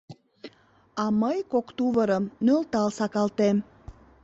— А мый кок тувырым нӧлтал сакалтем.